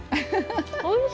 おいしい！